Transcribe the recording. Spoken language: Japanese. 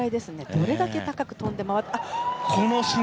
どれだけ高く跳んで回るのか。